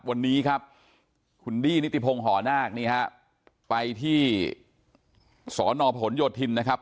วันนี้ครับคุณดี้นิติพงศ์หอนาคนี่ฮะไปที่สอนอพหนโยธินนะครับ